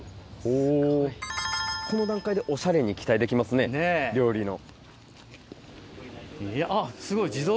おぉこの段階でおしゃれに期待できますね料理の。